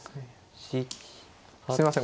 すいません